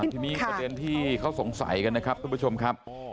ทีนี้ประเด็นที่เขาสงสัยกันนะครับทุกผู้ชมครับ